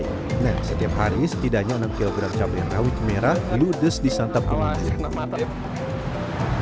nah setiap hari setidaknya enam kg cabai rawit merah ludes di santapun ini